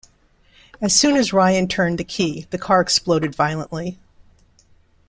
As soon as Ryan turned the key, the car exploded violently.